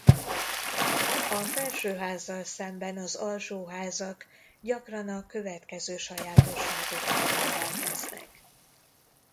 A felsőházzal szemben az alsóházak gyakran a következő sajátosságokkal rendelkeznek.